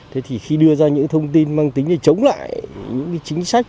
thế thì khi đưa ra những thông tin mang tính chống lại những chính sách